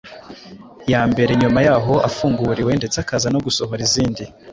ya mbere nyuma yaho afunguriwe ndetse akaza no gusohora izindi